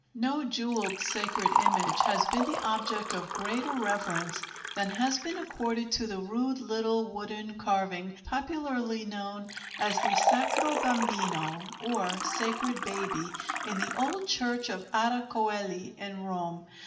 No jewelled sacred image has been the object of greater reverence than has been accorded to the rude little wooden carving popularly known as the "Sacro Bambino" or "Sacred Baby," in the old church of Ara Coeli in Rome.